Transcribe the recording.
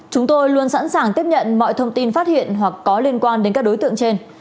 chúng tôi luôn sẵn sàng tiếp nhận mọi thông tin phát hiện hoặc có liên quan đến các đối tượng trên